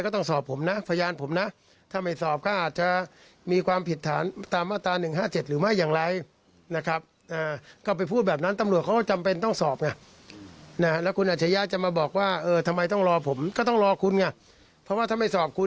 ทำไมต้องรอผมก็ต้องรอคุณไงเพราะว่าถ้าไม่สอบคุณ